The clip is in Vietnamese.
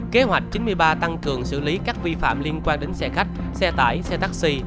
kế hoạch chín mươi ba tăng cường xử lý các vi phạm liên quan đến xe khách xe tải xe taxi